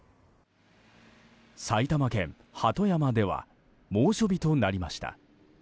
埼玉県鳩山では猛暑日となりました。